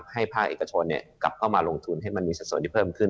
ภาคเอกชนกลับเข้ามาลงทุนให้มันมีสัดส่วนที่เพิ่มขึ้น